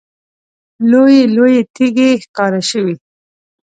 لویې لویې تیږې ښکاره شوې.